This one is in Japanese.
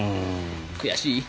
悔しい。